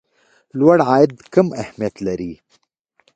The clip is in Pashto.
لوړ عاید کم اهميت لري.